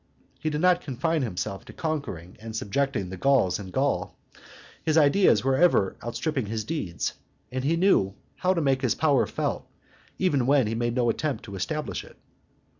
He did not confine himself to conquering and subjecting the Gauls in Gaul; his ideas were ever outstripping his deeds, and he knew how to make his power felt even where he had made no attempt to establish it.